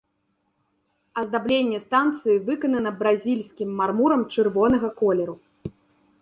Аздабленне станцыі выканана бразільскім мармурам чырвонага колеру.